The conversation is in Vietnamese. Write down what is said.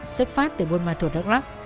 xuất phát từ bôn hoa thuột đắk lắk